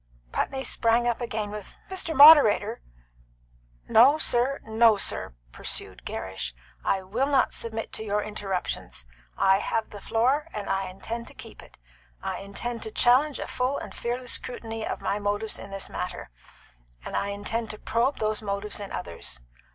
Putney sprang up again with, "Mr. Moderator " "No, sir! no, sir!" pursued Gerrish; "I will not submit to your interruptions. I have the floor, and I intend to keep it. I intend to challenge a full and fearless scrutiny of my motives in this matter, and I intend to probe those motives in others.